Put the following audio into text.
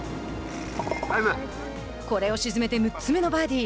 これを沈めて６つ目のバーディー。